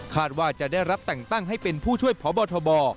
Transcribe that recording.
ว่าจะได้รับแต่งตั้งให้เป็นผู้ช่วยพบทบ